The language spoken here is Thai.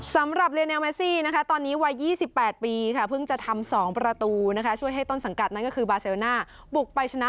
สำหรับเรียเนียลเมสซีนะคะ